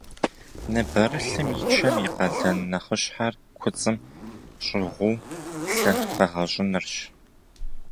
Ныбэрылъым и чэм и къалэн нэхъыщхьэр куцӏым щӏыгъуу лъы къэгъэщӏынырщ.